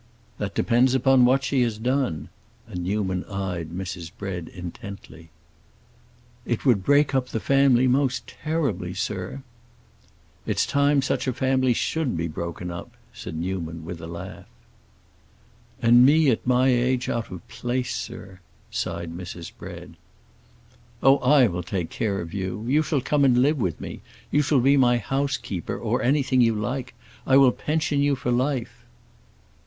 "That depends upon what she has done." And Newman eyed Mrs. Bread intently. "It would break up the family most terribly, sir!" "It's time such a family should be broken up!" said Newman, with a laugh. "And me at my age out of place, sir!" sighed Mrs. Bread. "Oh, I will take care of you! You shall come and live with me. You shall be my housekeeper, or anything you like. I will pension you for life."